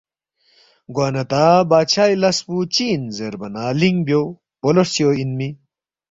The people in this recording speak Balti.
“ گوانہ تا بادشائی لس پو چِہ اِن زیربا نہ لِنگ بیو، پولو ہرژیو اِنمی